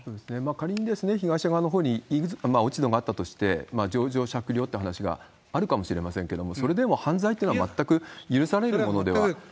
仮に被害者側のほうに落ち度があったとして、情状酌量っていう話があるかもしれませんけれども、それでも犯罪というのは全く許されるものでは。